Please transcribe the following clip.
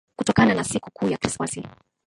kutokana na siku kuu ya Krismasi